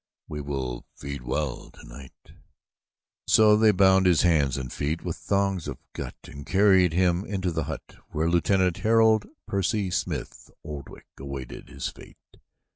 "We will feed well tonight." And so they bound his hands and feet with thongs of gut and carried him into the hut where Lieutenant Harold Percy Smith Oldwick awaited his fate.